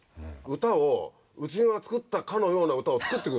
歌をうちが作ったかのような歌を作ってくるんですよ。